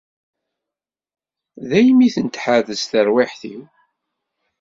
Daymi i ten-tḥerrez terwiḥt-iw.